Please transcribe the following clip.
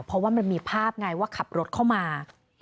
เพราะว่ามันมีภาพไงว่าขับรถเข้ามา